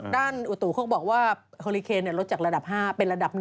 ด้านอุตถุเขาก็บอกว่าคอลิเคนเนี่ยรถจากระดับ๕เป็นระดับ๑